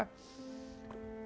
saya tidak peduli